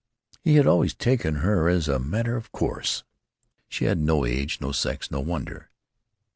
He had always taken her as a matter of course; she had no age, no sex, no wonder.